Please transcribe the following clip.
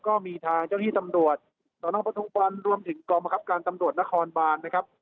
ก็มีทางเจ้าหน้าที่ตำรวจสนปทุมวันรวมถึงกองบังคับการตำรวจนครบานนะครับ